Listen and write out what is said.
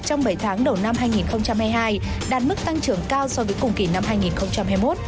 trong bảy tháng đầu năm hai nghìn hai mươi hai đạt mức tăng trưởng cao so với cùng kỳ năm hai nghìn hai mươi một